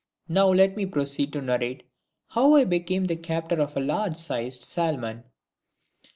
Now let me proceed to narrate how I became the captor of a large sized salmon.